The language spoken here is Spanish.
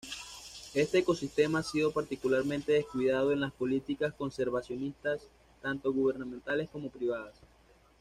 Este ecosistema ha sido particularmente descuidado en las políticas conservacionistas, tanto gubernamentales como privadas.